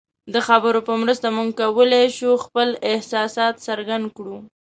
د خبرو په مرسته موږ کولی شو خپل احساسات څرګند کړو.